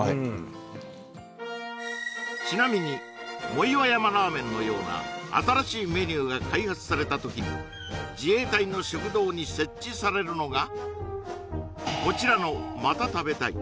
ちなみに藻岩山ラーメンのような新しいメニューが開発された時に自衛隊の食堂に設置されるのがこちらの「また食べたい」